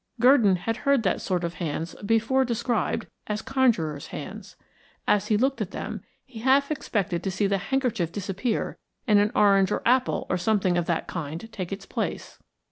Gurdon had heard that sort of hands before described as conjurer's hands. As he looked at them he half expected to see the handkerchief disappear and an orange or apple or something of that kind take its place.